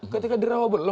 ketika di rawobet